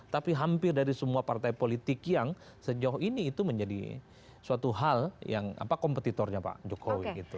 tapi hampir dari semua partai politik yang sejauh ini itu menjadi suatu hal yang kompetitornya pak jokowi gitu